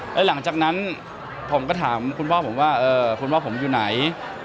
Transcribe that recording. แล้วหลังจากนั้นผมก็ถามคุณพ่อผมว่าคุณว่าผมอยู่ไหน